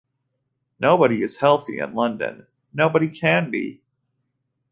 Nobody is healthy in London, nobody can be.